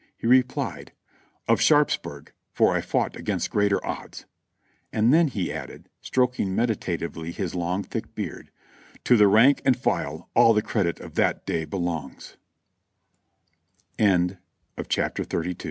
He replied : "Of Sharpsburg, for I fought against greater odds ; and then, he added, stroking meditatively his long, thick beard, "to the rank and file all the credit of that day be